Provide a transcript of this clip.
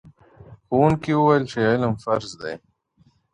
ښوونکی وویل چې علم فرض دی.